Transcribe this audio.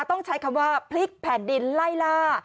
ต้องใช้คำว่าพลิกแผ่นดินไล่ล่า